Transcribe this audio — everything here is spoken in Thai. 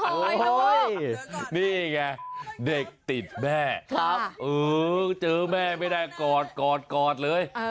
นี่เนี้ยเด็กติดแม่เจอแม่ไม่ได้ก็กอดกอดกอดเลย